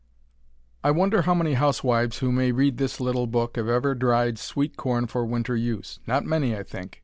I wonder how many housewives who may read this little book have ever dried sweet corn for winter use. Not many, I think.